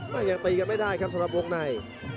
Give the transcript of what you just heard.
ยังตีกันไม่ได้ครับสำหรับวงใน